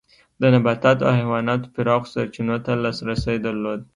د نباتاتو او حیواناتو پراخو سرچینو ته لاسرسی درلود.